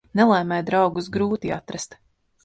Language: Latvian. Nelaimē draugus grūti atrast.